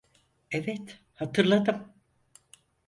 Evet, hatırladım.